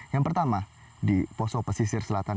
yang pertama di poso pesisir selatan